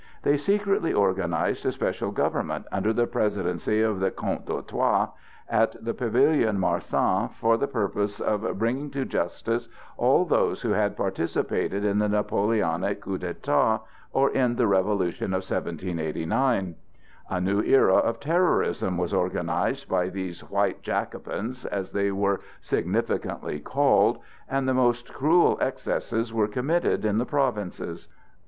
They secretly organized a special government, under the presidency of the Comte d'Artois, at the Pavilion Marsan for the purpose of bringing to justice all those who had participated in the Napoleonic coup d'état or in the Revolution of 1789. A new era of terrorism was organized by these "white Jacobins," as they were significantly called, and the most cruel excesses were committed in the provinces.